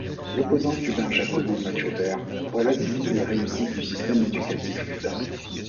L’opposant cubain Jacobo Machover relativise les réussites du système éducatif cubain.